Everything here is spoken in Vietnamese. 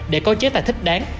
để có chế tài thích đáng